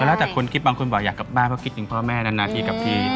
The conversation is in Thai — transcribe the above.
แล้วแต่คนคิดบางคนบอกอยากกลับบ้านเพราะคิดถึงพ่อแม่นานทีกับพี่